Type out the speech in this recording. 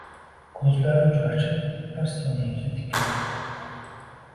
Ko‘zlari uchrashib, bir soniyacha tikilib qoldilar.